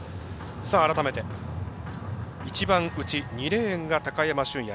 改めて、一番内２レーンが高山峻野。